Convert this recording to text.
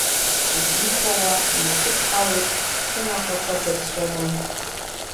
Исмыхәауа инасыдҳалоит, сымахақәа ԥыҵәҵәаны.